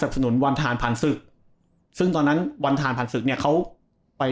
สนุนวันทานผ่านศึกซึ่งตอนนั้นวันทานผ่านศึกเนี่ยเขาไป